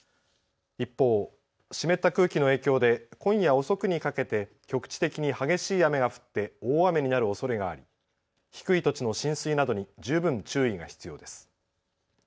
一方、湿った空気の影響で今夜遅くにかけて局地的に激しい雨が降って大雨になるおそれがあり低い土地の浸水などに十分注意が必要です。